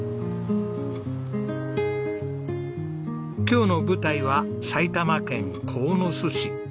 今日の舞台は埼玉県鴻巣市。